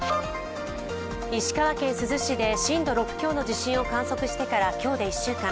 石川県珠洲市で震度６強の地震を観測してから今日で１週間。